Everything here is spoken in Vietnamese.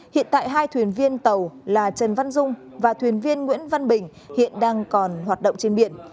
hiện tại hai thuyền viên tàu là trần văn dung và thuyền viên nguyễn văn bình hiện đang còn hoạt động trên biển